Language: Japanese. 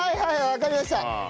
わかりました。